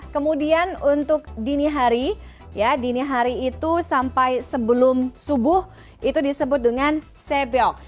kemudian untuk dini hari ya dini hari itu sampai sebelum subuh itu disebut dengan sebyok